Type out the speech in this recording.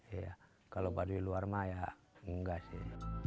iya kalau baduy luar maya enggak sih